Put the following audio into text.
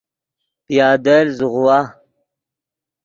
پیادل زوغوا